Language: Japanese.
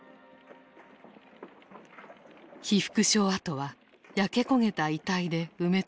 被服廠跡は焼け焦げた遺体で埋めつくされていた。